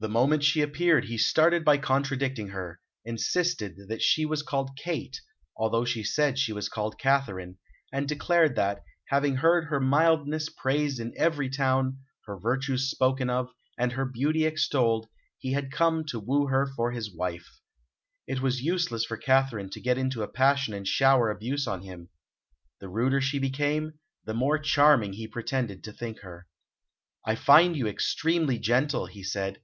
The moment she appeared he started by contradicting her, insisted that she was called "Kate," although she said she was called "Katharine," and declared that, having heard her mildness praised in every town, her virtues spoken of, and her beauty extolled, he had come to woo her for his wife. It was useless for Katharine to get into a passion and shower abuse on him. The ruder she became, the more charming he pretended to think her. "I find you extremely gentle," he said.